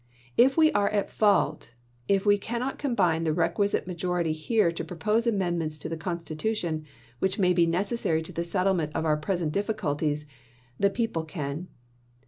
If we are at fault, if we cannot combine the requisite ma jority here to propose amendments to the Consti tution, which may be necessary to the settlement of our present difficulties, the people caD.